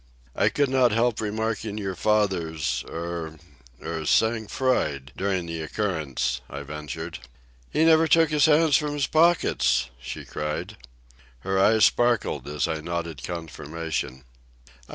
"I could not help remarking your father's—er, er sang froid during the occurrence." I ventured. "He never took his hands from his pockets!" she cried. Her eyes sparkled as I nodded confirmation.